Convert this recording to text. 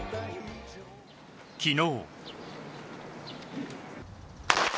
昨日。